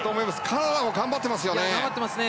カナダも頑張ってますよね。